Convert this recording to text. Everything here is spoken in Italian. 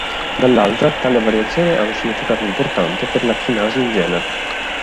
Dall'altra, tale variazione ha un significato importante per le chinasi in genere.